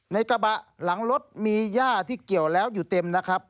กระบะหลังรถมีย่าที่เกี่ยวแล้วอยู่เต็มนะครับ